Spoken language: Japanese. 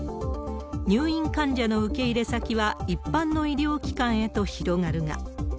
入院患者の受け入れ先は一般の医療機関へと広がるが。